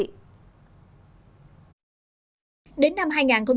để tiếp tục phát triển hoa cây kiểng